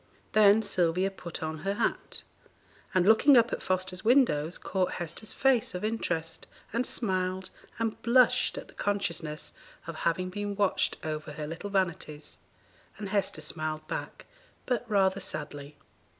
Then Sylvia put on her hat, and, looking up at Foster's windows, caught Hester's face of interest, and smiled and blushed at the consciousness of having been watched over her little vanities, and Hester smiled back, but rather sadly.